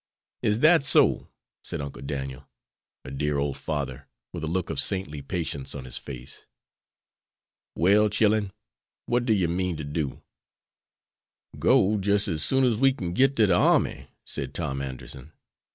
"Is dat so?" said Uncle Daniel, a dear old father, with a look of saintly patience on his face. "Well, chillen, what do you mean to do?" "Go, jis' as soon as we kin git to de army," said Tom Anderson.